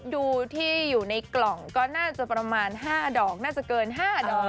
ดูที่อยู่ในกล่องก็น่าจะประมาณ๕ดอกน่าจะเกิน๕ดอก